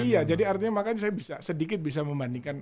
iya jadi artinya makanya saya bisa sedikit bisa membandingkan